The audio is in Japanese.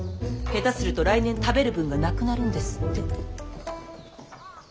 下手すると来年食べる分がなくなるんですって。